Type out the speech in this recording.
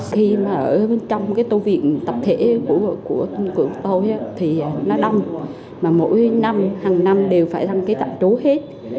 khi mà ở bên trong cái tổ viện tập thể của tổ thì nó đăng mà mỗi năm hằng năm đều phải đăng ký tạm trú hết